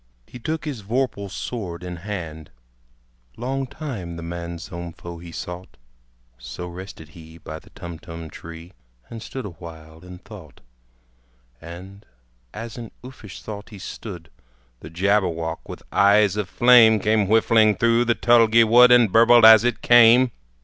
He took his vorpal sword in hand: Long time the manxome foe he sought. So rested he by the Tumtum tree, And stood awhile in thought. And as in uffish thought he stood, The Jabberwock with eyes of flame, Came whiffling through the tulgey wood, And burbled as it came!